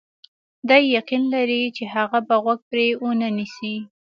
دی یقین لري چې هغه به غوږ پرې ونه نیسي.